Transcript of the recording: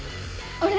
あれ？